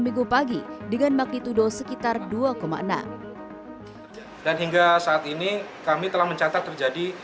minggu pagi dengan magnitudo sekitar dua enam dan hingga saat ini kami telah mencatat terjadi